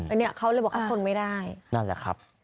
อันนี้เขาเลยบอกเขาทนไม่ได้นั่นแหละครับ